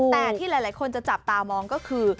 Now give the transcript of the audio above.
แต่ที่หลายคนจะจับตามองก็คือ